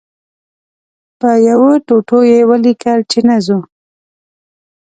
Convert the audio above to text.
په یوه ټوټو یې ولیکل چې نه ځو.